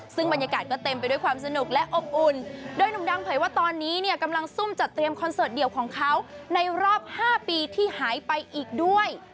ซึ่งบรรยากาศก็เต็มไปด้วยความสนุกและอบอุ่นโดยหนุ่มดังเผยว่าตอนนี้เนี่ยกำลังซุ่มจัดเตรียมคอนเสิร์ตเดี่ยวของเขาในรอบ๕ปีที่หายไปอีกด้วย